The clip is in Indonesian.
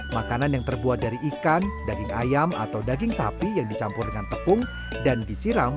makanan yang terbuat dari ikan daging ayam atau daging sapi yang dicampur dengan tepung dan disiram